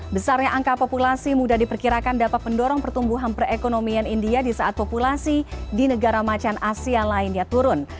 besarnya angka populasi muda diperkirakan dapat mendorong pertumbuhan perekonomian india di saat populasi di negara macan asia lainnya turun